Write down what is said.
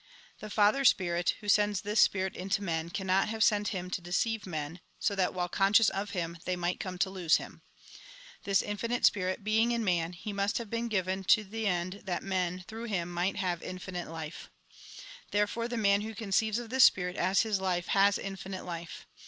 " The Father Spirit, who sends this Spirit into men, cannot have sent Him to deceive men, so that, while conscious of Him, they might come to lose Him. This infinite Spirit being in man, He must have been given to the end that men, through Him, might have infinite hfe. Therefore the man who conceives of this Spirit as his hfe, has infinite life.